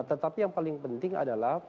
tetapi yang paling penting adalah